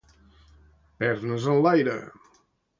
Pernes en l'aire.